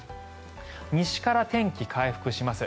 西から天気が回復します。